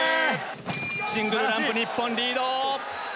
シングルランプ、日本リード。